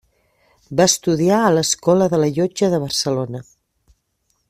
Va estudiar a l'Escola de la Llotja de Barcelona.